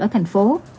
ở thành phố